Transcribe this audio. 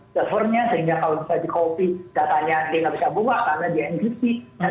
servernya sehingga kalau bisa di copy datanya dia nggak bisa buka karena dia ngisi